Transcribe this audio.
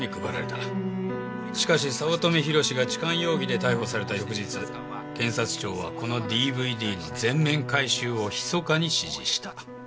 しかし早乙女宏志が痴漢容疑で逮捕された翌日検察庁はこのＤＶＤの全面回収を密かに指示した。